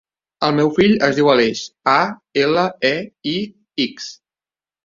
El meu fill es diu Aleix: a, ela, e, i, ics.